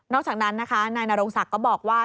อกจากนั้นนะคะนายนรงศักดิ์ก็บอกว่า